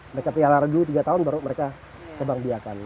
mereka pelihara dulu tiga tahun baru mereka kebang biakan